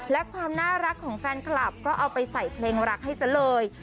และความน่ารักของแฟนคลับก็เอาไปใส่เพลงรักให้ซะเลย